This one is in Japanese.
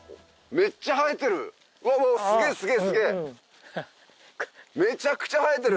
めちゃくちゃ生えてる！